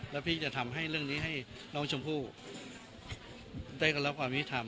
แล้วพี่จะทำให้เรื่องนี้ให้น้องชมพู่ได้รับความยุทธรรม